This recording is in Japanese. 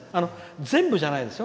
全部じゃないですよ。